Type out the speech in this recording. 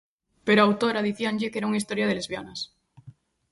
Pero á autora dicíanlle que era unha historia de lesbianas.